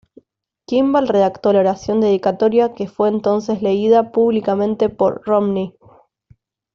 Kimball redactó la oración dedicatoria que fue entonces leída públicamente por Romney.